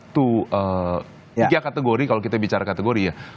tiga kategori kalau kita bicara kategori ya